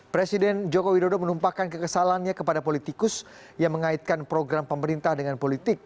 presiden joko widodo menumpahkan kekesalannya kepada politikus yang mengaitkan program pemerintah dengan politik